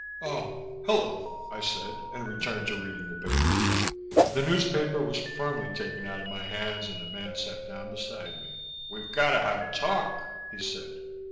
"Oh, hullo!" I said and returned to reading the paper. The newspaper was firmly taken out of my hands and the man sat down beside me. "We've got to have a talk," he said.